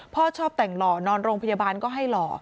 พ่อชอบแต่งหล่อนอนโรงพยาบาลก็ให้หล่อ